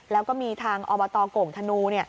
แล้วก็มีทางอบตโก่งธนู